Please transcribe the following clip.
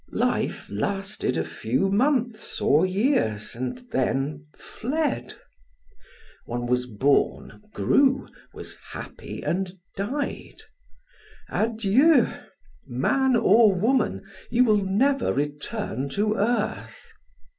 Life lasted a few months or years, and then fled! One was born, grew, was happy, and died. Adieu! man or woman, you will never return to earth!